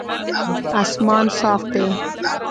اسمان صاف دی